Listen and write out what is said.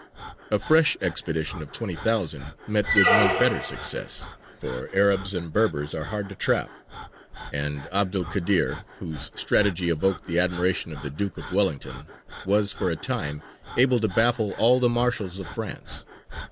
A fresh expedition of twenty thousand met with no better success, for Arabs and Berbers are hard to trap, and 'Abd el Kādir, whose strategy evoked the admiration of the Duke of Wellington, was for a time able to baffle all the marshals of France.